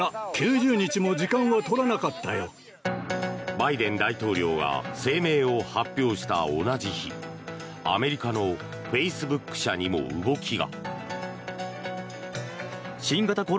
バイデン大統領が声明を発表した同じ日アメリカのフェイスブック社にも動きが。